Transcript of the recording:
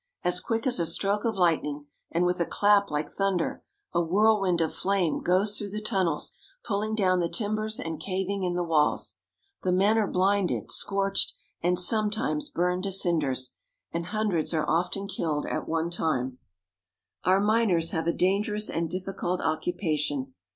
As quick as a stroke of lightning, and with a clap like thunder, a whirl wind of flame goes through the tunnels, pulling down the timbers and caving in the walls. The men are blinded, scorched, and sometimes burned to cinders, and hundreds are often killed at one time. IN A MINE. 217 Our miners have a dangerous and difficult occupation.